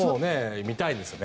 見たいですよね。